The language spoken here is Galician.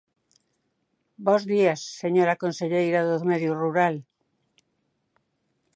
Bos días, señora conselleira do Medio Rural.